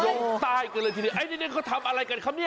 ลงใต้กันเลยทีเดียวไอ้นี่เขาทำอะไรกันครับเนี่ย